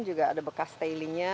juga ada bekas tailingnya